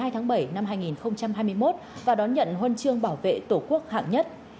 hai mươi tháng bảy năm hai nghìn hai mươi một và đón nhận huân chương bảo vệ tổ quốc hạng nhất